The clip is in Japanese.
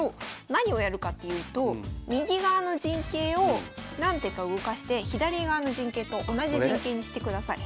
何をやるかっていうと右側の陣形を何手か動かして左側の陣形と同じ陣形にしてください。